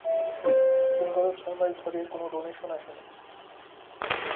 কিন্তু গত ছয়মাস ধরে কোনো ডোনেশন আসেনি।